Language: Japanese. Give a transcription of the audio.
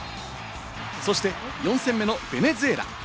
そして４戦目のベネズエラ。